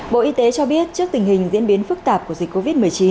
bộ y tế cho biết trước tình hình diễn biến phức tạp của dịch covid một mươi chín